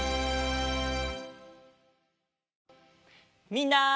みんな！